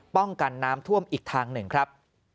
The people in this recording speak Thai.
ป้องกันน้ำท่วมอีกทางหนึ่งครับ